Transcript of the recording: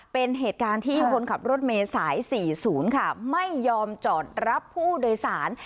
เป็นเหตุการณ์ที่คนขับรถเมย์สาย๔๐ค่ะไม่ยอมจอดรับผู้โดยสาร